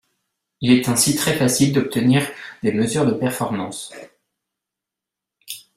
Il est ainsi très facile d'obtenir des mesures de performance